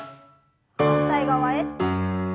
反対側へ。